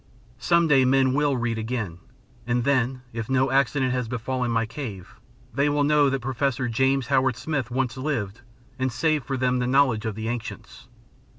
Some day men will read again; and then, if no accident has befallen my cave, they will know that Professor James Howard Smith once lived and saved for them the knowledge of the ancients.